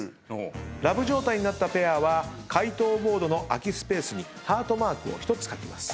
ラブ状態になったペアは回答ボードの空きスペースにハートマークを１つ描きます。